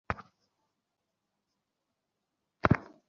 এখনও কোনো নেটওয়ার্ক নেই।